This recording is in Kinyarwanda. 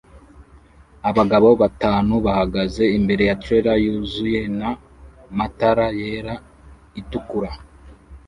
Abagabo batanu bahagaze imbere ya trailer yuzuyena matara yera itukura